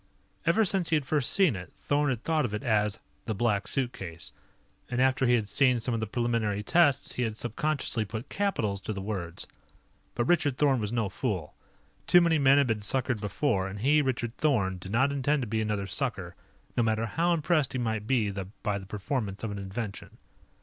Ever since he had first seen it, Thorn had thought of it as "the Black Suitcase," and after he had seen some of the preliminary tests, he had subconsciously put capitals to the words. But Richard Thorn was no fool. Too many men had been suckered before, and he, Richard Thorn, did not intend to be another sucker, no matter how impressed he might be by the performance of an invention.